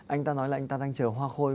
anh ta nói là anh ta đang chờ hoa khôi